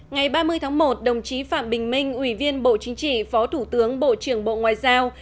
ngày ba mươi tháng một đồng chí phạm bình minh ủy viên bộ chính trị phó thủ tướng bộ trưởng bộ ngoại giao